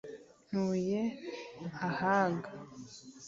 ntuye ahaga